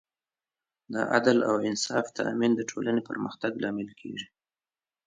د عدل او انصاف تامین د ټولنې پرمختګ لامل کېږي.